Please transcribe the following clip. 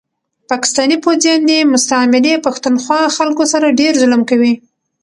پاکستاني پوځيان دي مستعمري پښتونخوا خلکو سره ډير ظلم کوي